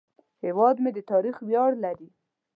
هیواد مې د تاریخ ویاړ لري